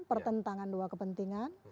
pertentangan dua kepentingan